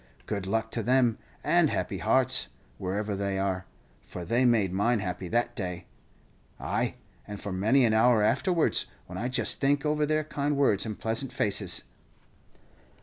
Good luck to them, and happy hearts, wherever they are, for they made mine happy that day; ay, and for many an hour afterwards, when I just think over their kind words and pleasant faces."